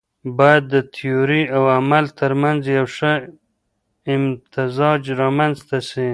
بايد د تيوري او عمل ترمنځ يو ښه امتزاج رامنځته سي.